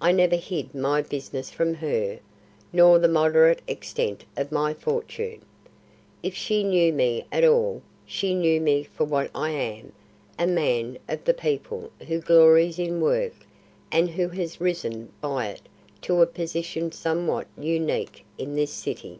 I never hid my business from her, nor the moderate extent of my fortune. If she knew me at all, she knew me for what I am; a man of the people who glories in work and who has risen by it to a position somewhat unique in this city.